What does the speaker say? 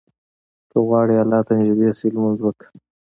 که غواړې الله ته نيږدى سې، لمونځ وکړه.